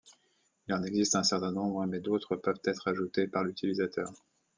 Il en existe un certain nombre mais d'autres peuvent être ajoutés par l'utilisateur.